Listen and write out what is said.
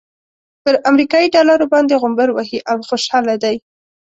پر امريکايي ډالرو باندې غومبر وهي او خوشحاله دی.